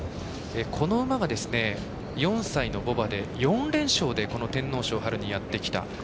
この馬が４歳の牡馬で４連勝で天皇賞にやって来た。